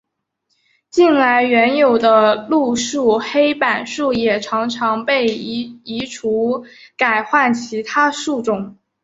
近来原有的路树黑板树也常常被移除改换其他树种。